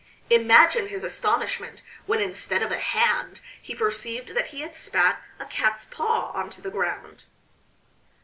Imagine his astonishment when instead of a hand he perceived that he had spat a cat's paw on to the ground.